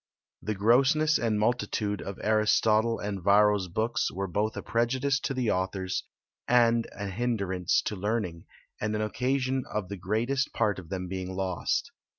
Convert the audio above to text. The grossness and multitude of Aristotle and Varro's books were both a prejudice to the authors, and an hindrance to learning, and an occasion of the greatest part of them being lost.